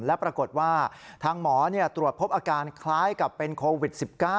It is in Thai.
และปรากฏว่าทางหมอตรวจพบอาการคล้ายกับเป็นโควิด๑๙